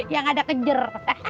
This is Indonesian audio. yang ada kejer